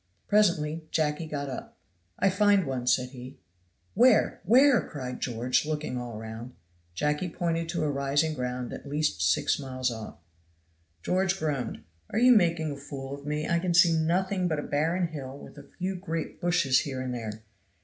Presently Jacky got up. "I find one," said he. "Where? where?" cried George, looking all round. Jacky pointed to a rising ground at least six miles off. George groaned, "Are you making a fool of me? I can see nothing but a barren hill with a few great bushes here and there.